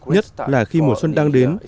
nhất là khi mùa xuân đang đến